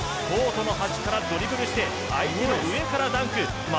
コートの端からドリブルして相手の上からダンク。